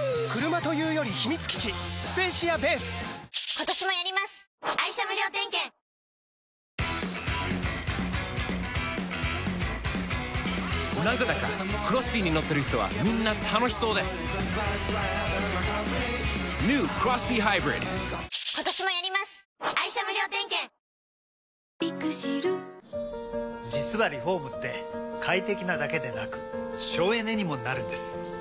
今回は、あるものにハマって、実はリフォームって快適なだけでなく省エネにもなるんです。